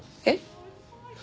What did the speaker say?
えっ？